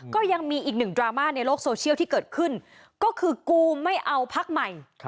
ก็ยังมีอีกหนึ่งดราม่าในโลกโซเชียลที่เกิดขึ้นก็คือกูไม่เอาพักใหม่